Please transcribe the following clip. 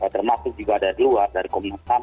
termasuk juga ada di luar dari komunikasi sam